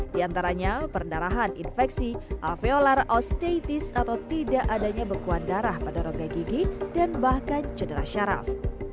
di antaranya pendarahan infeksi alveolar osteitis atau tidak adanya bekuan darah pada rogai gigi dan bahkan cedera syaraf